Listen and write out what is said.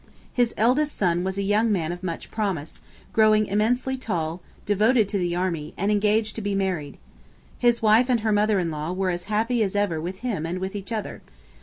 His eldest son was a young man of much promise, growing immensely tall, devoted to the army, and engaged to be married. His wife and her mother in law were as happy as ever with him and with each other.